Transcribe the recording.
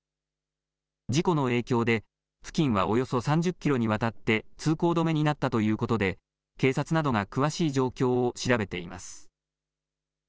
事故の影響で付近はおよそ３０キロにわたって通行止めになったということで警察などが詳しい状況を調べています。